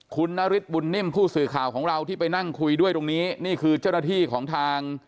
คุณนฤทธบุญนิ่มผู้สื่อข่าวของเราที่ไปนั่งคุยด้วยตรงนี้นี่คือเจ้าหน้าที่ของทาง